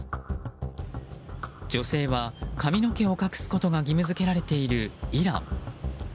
女性は髪の毛を隠すことが義務付けられているイラン。